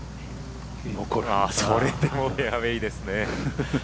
それでもフェアウエーですね。